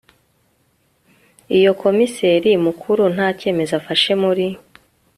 iyo komiseri mukuru nta cyemezo afashe muri